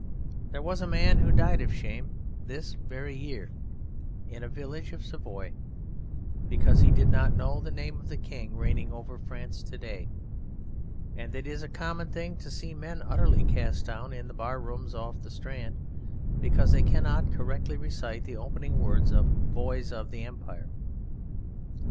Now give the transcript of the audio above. There was a man who died of shame this very year in a village of Savoy because he did not know the name of the King reigning over France to day, and it is a common thing to see men utterly cast down in the bar rooms off the Strand because they cannot correctly recite the opening words of "Boys of the Empire."